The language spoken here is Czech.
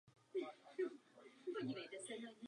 Do toho je Baxter zvolen do amerického kongresu.